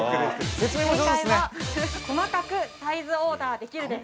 ◆正解は、細かくサイズオーダーできるです。